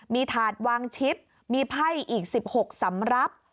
มีถาดวางชิปมีไพ่อี๑๖สำรับ